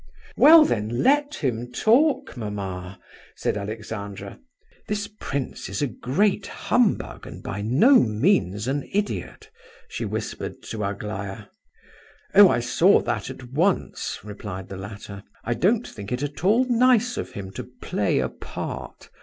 "Well, then, let him talk, mamma," said Alexandra. "This prince is a great humbug and by no means an idiot," she whispered to Aglaya. "Oh, I saw that at once," replied the latter. "I don't think it at all nice of him to play a part.